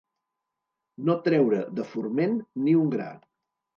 No treure, de forment, ni un gra.